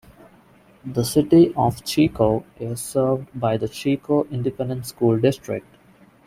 The City of Chico is served by the Chico Independent School District.